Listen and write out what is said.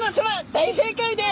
大正解です。